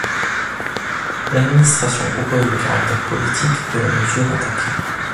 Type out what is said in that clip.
L'administration oppose le caractère politique de la mesure attaquée.